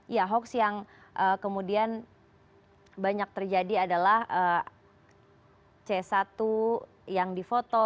ya hoax yang kemudian banyak terjadi adalah c satu yang difoto